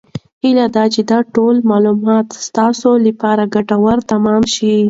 هیله ده چې دا ټول معلومات ستاسو لپاره ګټور تمام شي.